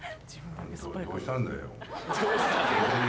どうしたんだよ。